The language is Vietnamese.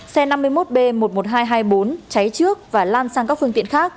xe năm mươi một b một mươi một nghìn hai trăm hai mươi bốn cháy trước và lan sang các phương tiện khác